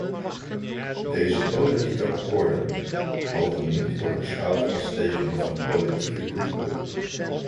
Deze politieke akkoorden mogen niet worden beschouwd als tekenen van politieke goodwill.